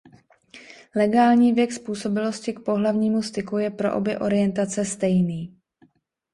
Legální věk způsobilosti k pohlavnímu styku je pro obě orientace stejný.